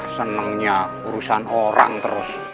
senengnya urusan orang terus